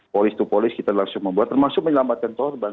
polis to polis kita langsung membuat termasuk menyelamatkan korban